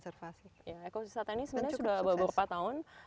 eko wisata ini sebenarnya sudah beberapa tahun